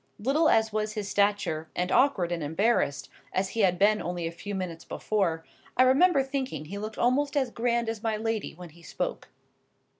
Little as was his stature, and awkward and embarrassed as he had been only a few minutes before, I remember thinking he looked almost as grand as my lady when he spoke.